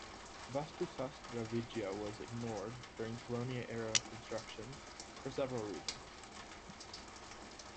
Vastu sastra vidya was ignored, during colonial era construction, for several reasons.